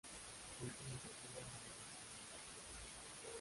De esta iniciativa nada más se supo.